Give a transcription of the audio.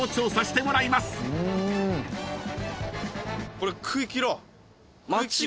これ食いきろう。